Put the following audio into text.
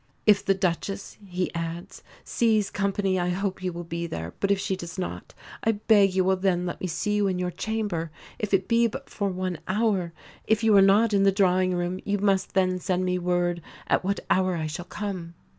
If the Duchess," he adds, "sees company I hope you will be there; but if she does not, I beg you will then let me see you in your chamber, if it be but for one hour. If you are not in the drawing room you must then send me word at what hour I shall come."